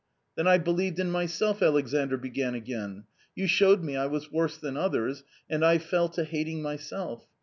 " Then I believed in myself," Alexandr began again ;" you showed me I was worse than others, and I fell to hating myself.